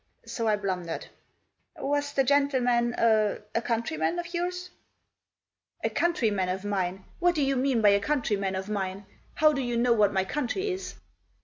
So I blundered. " Was the gentleman a — a countryman of yours ?"" A countryman of mine ? What do you mean by a countryman of mine ? How do you know what my country is